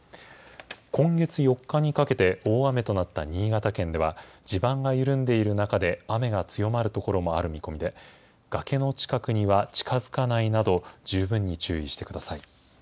今月４日にかけて、大雨となった新潟県では、地盤が緩んでいる中で雨が強まる所もある見込みで、崖の近くには近づかないなど、十分に注意してください。